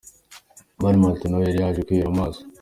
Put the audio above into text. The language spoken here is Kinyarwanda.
Mani Martin nawe yari yaje kwihera amaso.